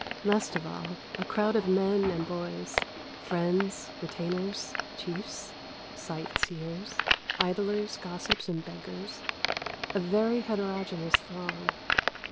Last of all, a crowd of men and boys, friends, retainers, chiefs, sightseers, idlers, gossips and beggars, a very heterogeneous throng.